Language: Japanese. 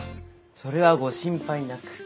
それはご心配なく。